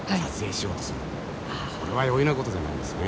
これは容易なことじゃないですね。